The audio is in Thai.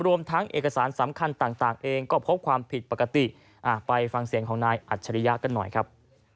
รวมทั้งเอกสารสำคัญต่างเองก็พบความผิดปกติไปฟังเสียงของนายอัจฉริยะกันหน่อยครับ